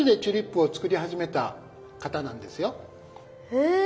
へえ。